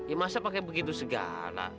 ya masa pakai begitu segala